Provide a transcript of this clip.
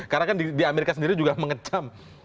karena kan di amerika sendiri juga mengecam